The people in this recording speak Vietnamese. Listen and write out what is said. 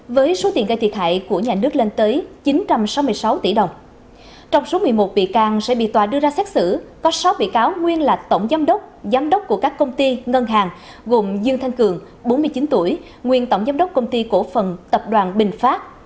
dương thanh cường bốn mươi chín tuổi nguyên tổng giám đốc công ty cổ phần tập đoàn bình pháp